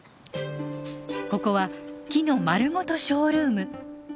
ここは木のまるごとショールーム。